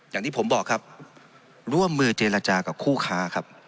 อย่างที่ผมบอกครับร่วมมือเจรจากับคู่ค้าครับ